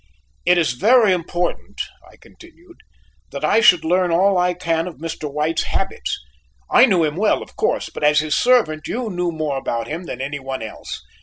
"It is very important," I continued, "that I should learn all I can of Mr. White's habits. I knew him well, of course, but as his servant, you knew more about him than any one else.